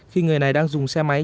khi người này đang dùng xe máy